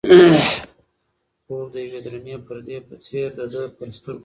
خوب د یوې درنې پردې په څېر د ده پر سترګو راغی.